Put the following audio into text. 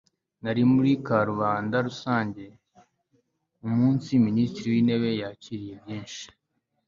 nari mu karubanda rusange umunsi minisitiri w'intebe yakiriye byinshi